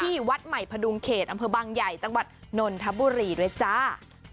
วัดใหม่พดุงเขตอำเภอบางใหญ่จังหวัดนนทบุรีด้วยจ้า